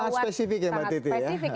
sangat spesifik ya mbak titi ya